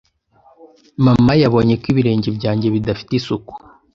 Mama yabonye ko ibirenge byanjye bidafite isuku.